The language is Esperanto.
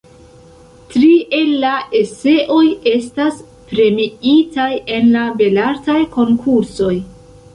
Tri el la eseoj estas premiitaj en la Belartaj Konkursoj.